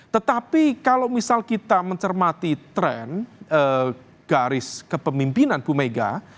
tetapi kalau misal kita mencermati tren garis kepemimpinan bu mega